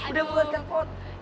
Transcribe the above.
udah boleh telepon